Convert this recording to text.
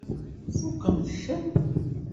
Tfukkemt-ten?